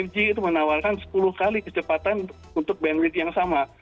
lima g itu menawarkan sepuluh kali kecepatan untuk bandwidth yang sama